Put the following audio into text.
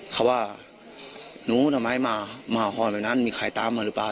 เขาว่าหนูทำไมมามาหอนแบบนั้นมีใครตามมาหรือเปล่า